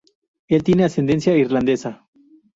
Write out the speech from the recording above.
Él tiene ascendencia irlandesa.